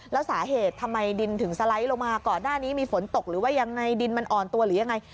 แล้วสาเหตุทำไมดินถึงสไลด์ลงมาก่อนหน้านี้มีฝนตกหรือว่ายังไงดินมันอ่อนตัวหรือยังไง